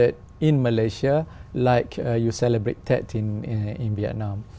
nó được kỷ niệm ở malaysia như khi chúng ta kỷ niệm tết ở việt nam